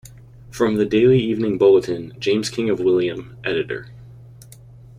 From the "Daily Evening Bulletin", James King of William, Editor.